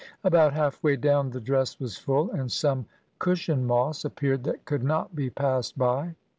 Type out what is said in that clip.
About half way down the dress was full, and some cushion moss appeared that could not be passed by.